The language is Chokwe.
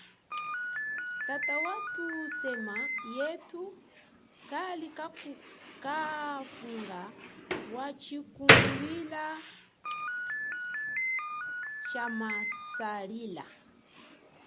Tata wathusema yethu kali kafunga wa tshikunguluila tshama salila.